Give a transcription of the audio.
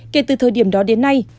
kể từ thời điểm đó đến nay